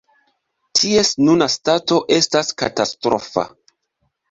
Ties nuna stato estas katastrofa.